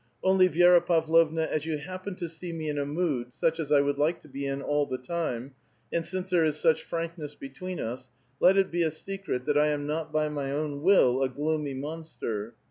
Only, Vi6ra Pavlovna, as you happen to see me in a roood such as I would like to be in all the time, and since there is such frankness between us, let it be a secret that I am not by my own will a gloomy monster.